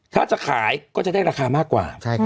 ถ้าจะขายก็จะได้ราคามากกว่า